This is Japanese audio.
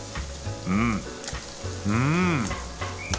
うんうん！